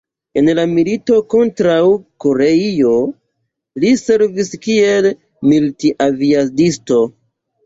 En la milito kontraŭ Koreio li servis kiel milit-aviadisto.